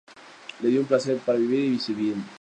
Le dio un palacio para vivir, y sirvientes.